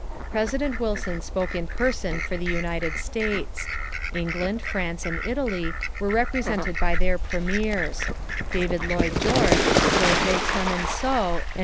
President Wilson spoke in person for the United States. England, France, and Italy were represented by their premiers: David Lloyd George, Georges Clémenceau, and Vittorio Orlando.